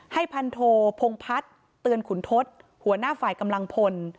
พันโทพงพัฒน์เตือนขุนทศหัวหน้าฝ่ายกำลังพล